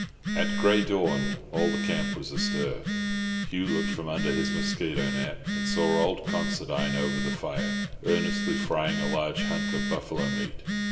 At grey dawn all the camp was astir. Hugh looked from under his mosquito net, and saw old Considine over the fire, earnestly frying a large hunk of buffalo meat.